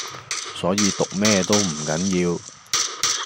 所以讀咩都唔緊要⠀